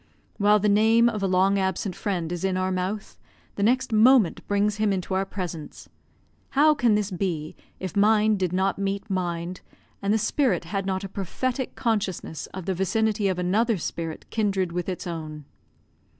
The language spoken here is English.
While the name of a long absent friend is in our mouth, the next moment brings him into our presence. How can this be, if mind did not meet mind, and the spirit had not a prophetic consciousness of the vicinity of another spirit, kindred with its own?